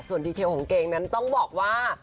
ส่วนดีเทลของเกงนั้นต้องบอกว่า